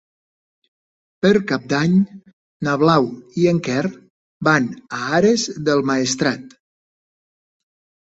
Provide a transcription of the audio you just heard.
Per Cap d'Any na Blau i en Quer van a Ares del Maestrat.